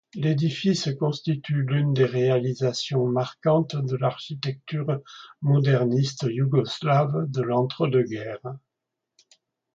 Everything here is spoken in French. L'édifice constitue l'une des réalisations marquantes de l'architecture moderniste yougoslave de l'entre-deux-guerres.